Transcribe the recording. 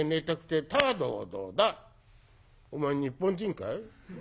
「お前日本人かい？